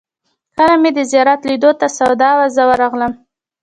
کله چې مې د زیارت لیدلو ته سودا وه، زه ورغلم.